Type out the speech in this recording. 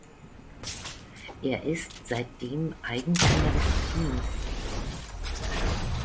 Er ist seitdem Eigentümer des Teams.